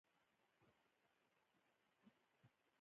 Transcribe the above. څه ګړی وروسته نوټ مات کړی و.